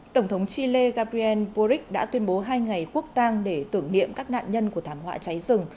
tổng thống chile gabriel boric đã tuyên bố hai ngày quốc tang để tưởng niệm các nạn nhân của thảm họa cháy rừng